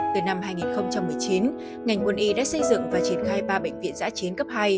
từ năm hai nghìn một mươi chín ngành quân y đã xây dựng và triển khai ba bệnh viện giã chiến cấp hai